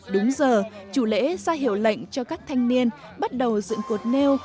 đúng giờ chủ lễ ra hiệu lệnh cho các thanh niên bắt đầu dựng cột nêu